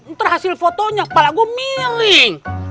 ntar hasil fotonya kepala gue milih